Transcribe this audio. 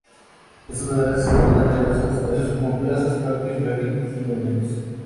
Estos lugares, en la vida real son espacios como: plazas, parques, grafitis y monumentos.